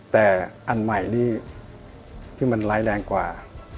แต่อันใหม่นี่ที่มันร้ายแรงกว่า